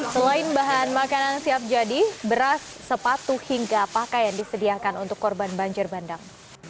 selain bahan makanan siap jadi beras sepatu hingga pakaian disediakan untuk korban banjir bandang